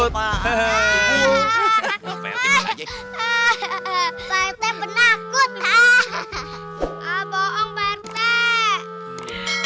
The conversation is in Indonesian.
pak rt benakut